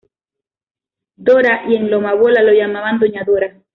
Dora, y en Loma Bola la llamaban Doña Dora.